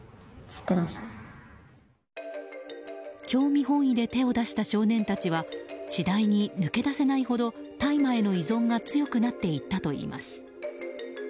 興味本位で手を出した少年たちは次第に抜け出せないほど大麻への依存が強くなっていったといいます。